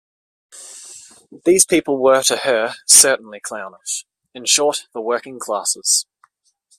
These people were to her, certainly clownish — in short, the working classes.